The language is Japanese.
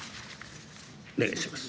お願いします。